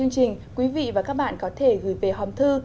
các bạn có thể gửi về hòm thư